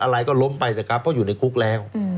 อะไรก็ล้มไปสิครับเพราะอยู่ในคุกแล้ว